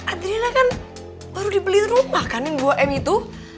adrilla kan baru dibeli rumah kan yang dua m itu